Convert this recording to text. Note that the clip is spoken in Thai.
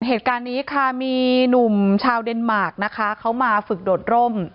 เหตุการณ์นี้ค่ะมีหนุ่มชาวเดนมาร์คนะคะเขามาฝึกโดดร่ม